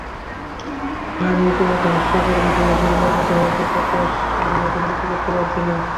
আইন রীতিমত হাস্যকর বিষয়বস্তুতে পরিণত হয়েছে প্রকাশ আমরা কেনো কিছু করতে পারছি না?